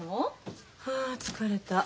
あ疲れた。